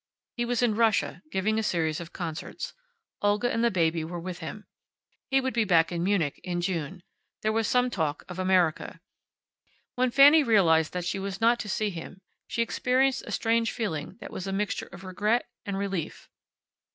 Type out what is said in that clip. He was in Russia, giving a series of concerts. Olga and the baby were with him. He would be back in Munich in June. There was some talk of America. When Fanny realized that she was not to see him she experienced a strange feeling that was a mixture of regret and relief.